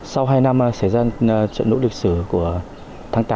sau hai năm xảy ra trận đấu lịch sử của thăng